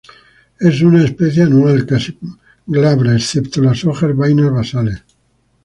Es una especie anual, casi glabra excepto las hoja-vainas basales.